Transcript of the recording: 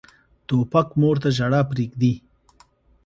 توپک مور ته ژړا پرېږدي.